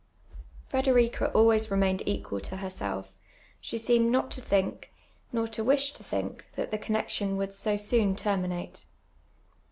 Fnderica always remained equal to herself; she ficoinecl not to think, nor to wish to think, that the connexion, would so soon tenninate.